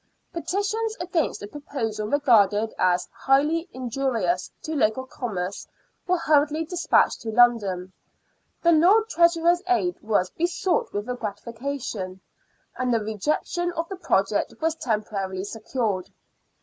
Petitions against a proposal regarded as highly injurious to local commerce were hurriedly despatched to London, the Lord CUSTOM HOUSE AT GLOUCESTER. 45 Treasurer's aid was besought with a " gratification," and the rejection of the project was temporarily secured.